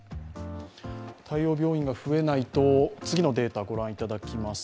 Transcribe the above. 対応病院が増えないと、次のデータご覧いただきます。